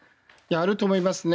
あると思いますね。